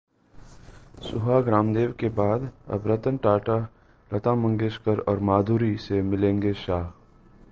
सुहाग-रामदेव के बाद अब रतन टाटा, लता मंगेशकर और माधुरी से मिलेंगे शाह